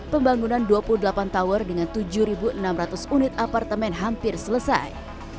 pembangunan dua puluh delapan tower dengan tujuh enam ratus unit apartemen hampir selesai